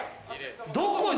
どこに？